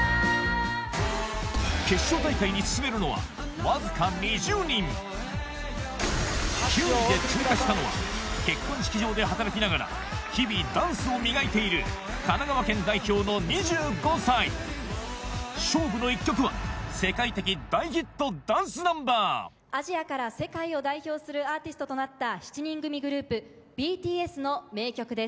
決勝大会に進めるのはわずか２０人９位で通過したのは結婚式場で働きながら日々ダンスを磨いている神奈川県代表の２５歳勝負の一曲は世界的大ヒットダンスナンバーアジアから世界を代表するアーティストとなった７人組グループＢＴＳの名曲です。